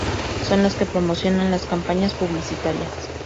son las que promocionan las campañas publicitarias